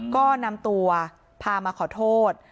ก็นำตัวพามาขอโทษ